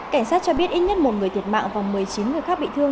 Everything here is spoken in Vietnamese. cảnh sát cho biết ít nhất một người thiệt mạng và một mươi chín người khác bị thương